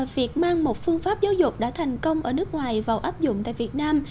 việc mang một phương pháp giáo dục đã thành công ở nước ngoài vào áp dụng tại việt nam